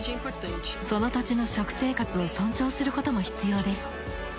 その土地の食生活を尊重することも必要です。